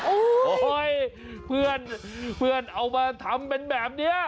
โอ้โหเพื่อนเอามาทำเป็นแบบนี้